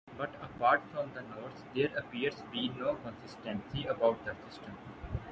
But apart from the North there appears be no consistency about the system.